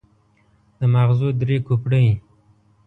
د ماغزو درې کوپړۍ.